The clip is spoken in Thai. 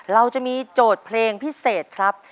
เราจะมีโจทย์เพลงพิเศษครับ